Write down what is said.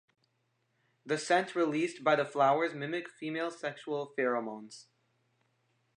The scent released by the flowers mimic female sexual pheromones.